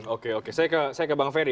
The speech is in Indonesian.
oke oke saya ke bang ferry